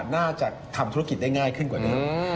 น่าจะทำธุรกิจได้ง่ายขึ้นกว่านี้